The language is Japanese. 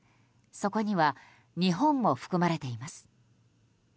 そこには日本も含まれています。